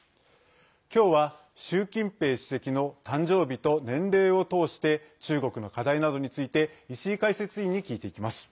きょうは、習近平主席の誕生日と年齢を通して中国の課題などについて石井解説委員に聞いていきます。